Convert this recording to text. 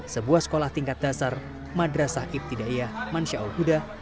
sebuah sekolah tingkat dasar madrasah kip tidaiya mansyaul buddha